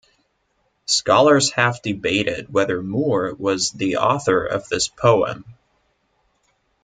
Scholars have debated whether Moore was the author of this poem.